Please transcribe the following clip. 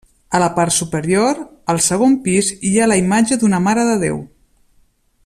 A la part superior, al segon pis hi ha la imatge d'una Mare de Déu.